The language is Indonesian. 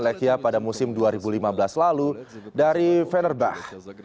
lechia pada musim dua ribu lima belas lalu dari venerbah